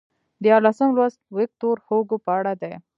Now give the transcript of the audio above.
دیارلسم لوست ویکتور هوګو په اړه دی.